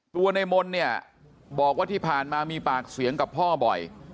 ตัวในมนต์เนี่ยบอกว่าที่ผ่านมามีปากเสียงกับพ่อบ่อย